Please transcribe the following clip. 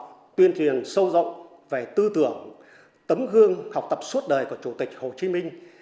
tuyên truyền sâu rộng về tư tưởng tấm gương học tập suốt đời của chủ tịch hồ chí minh